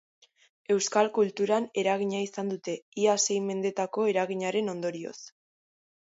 Euskal kulturan eragina izan dute, ia sei mendetako eraginaren ondorioz.